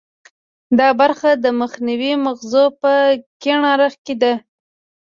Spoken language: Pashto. دا برخه د مخنیو مغزو په کیڼ اړخ کې ده